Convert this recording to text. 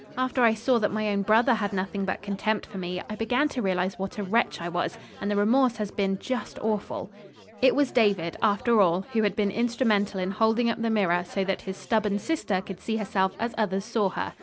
After I saw that my own brother had nothing but contempt for me, I began to realize what a wretch I was, and the remorse has been just awful." It was David, after all, who had been instrumental in holding up the mirror so that his stubborn sister could see herself as others saw her.